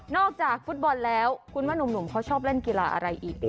จากฟุตบอลแล้วคุณว่านุ่มเขาชอบเล่นกีฬาอะไรอีก